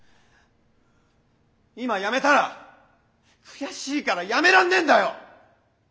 今辞めたら悔しいから辞めらんねえんだよ！